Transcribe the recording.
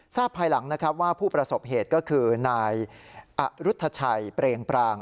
ภายหลังนะครับว่าผู้ประสบเหตุก็คือนายอรุธชัยเปรงปราง